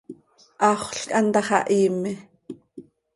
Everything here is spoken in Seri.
Haxöl quih antá xah hiime.